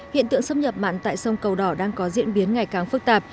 hiện tượng xâm nhập mặn tại sông cầu đỏ đang có diễn biến ngày càng phức tạp